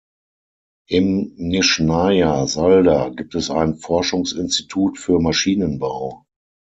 Im Nischnjaja Salda gibt es ein Forschungsinstitut für Maschinenbau.